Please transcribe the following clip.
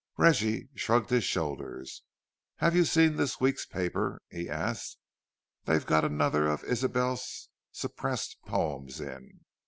Reggie shrugged his shoulders. "Have you seen this week's paper?" he asked. "They've got another of Ysabel's suppressed poems in."